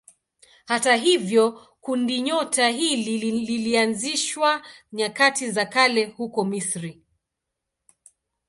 Hata hivyo kundinyota hili lilianzishwa nyakati za kale huko Misri.